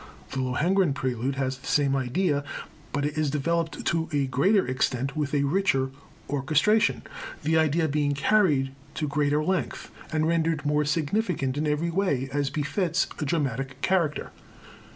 The Lohengrin Prelude has the same idea, but it is developed to a greater extent, with a richer orchestration, the idea being carried to greater length, and rendered more significant in every way, as befits its dramatic character.